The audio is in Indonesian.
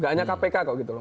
gak hanya kpk kok gitu loh